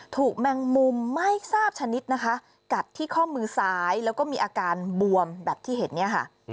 แมงมุมไม่ทราบชนิดนะคะกัดที่ข้อมือซ้ายแล้วก็มีอาการบวมแบบที่เห็นเนี่ยค่ะ